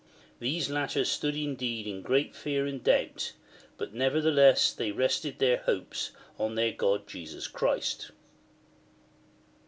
These latter stood indeed in QTeat fear and doubt, but nevertheless they rested their hope on their God Jesus Christ.